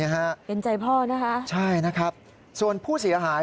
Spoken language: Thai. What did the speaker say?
เห็นใจพ่อนะคะใช่นะครับส่วนผู้เสียหาย